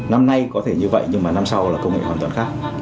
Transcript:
năm nay có thể như vậy nhưng mà năm sau là công nghệ hoàn toàn khác